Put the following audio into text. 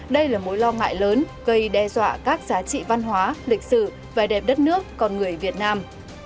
đây là mối lo ngại lớn gây đe dọa các giá trị văn hóa lịch sử vẻ đẹp đất nước con người việt nam